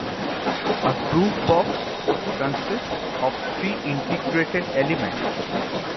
A groovebox consists of three integrated elements.